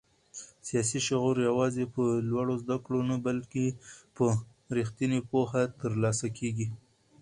سیاسي شعور یوازې په لوړو زده کړو نه بلکې په رښتینې پوهه ترلاسه کېږي.